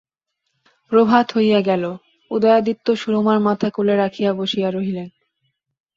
প্রভাত হইয়া গেল, উদয়াদিত্য সুরমার মাথা কোলে রাখিয়া বসিয়া রহিলেন!